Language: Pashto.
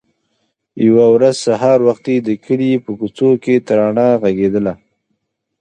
يوه ورځ سهار وختي د کلي په کوڅو کې ترانه غږېدله.